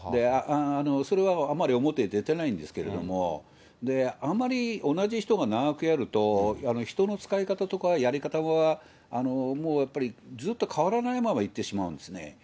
それはあまり表に出てないんですけれども、あんまり同じ人が長くやると、人の使い方とかやり方がもうやっぱり、ずっと変わらないままいってしまうんですね。